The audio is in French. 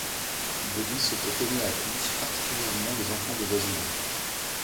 Bobby se fait aimer à tous, particulièrement les enfants de voisinage.